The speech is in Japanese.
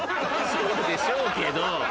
そうでしょうけど。